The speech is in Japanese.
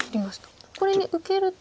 これに受けると。